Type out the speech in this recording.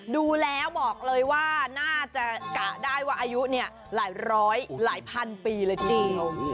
ดูแลบอกเลยว่าน่าจะกะได้ว่าอายุหลายพันปีเลยดี